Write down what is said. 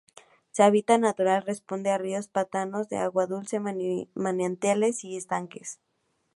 Su hábitat natural corresponde a ríos, pantanos de agua dulce, manantiales, y estanques.